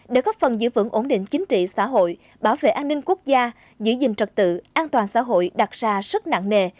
để góp phần giữ vững ổn định chính trị xã hội bảo vệ an ninh quốc gia giữ gìn trật tự an toàn xã hội đặt ra rất nặng nề